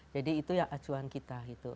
jadi itu yang acuan kita gitu